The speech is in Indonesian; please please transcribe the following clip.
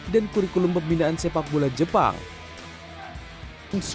dan kurikulum pembinaan sepak bola jepang jfa